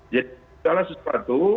jadi salah sesuatu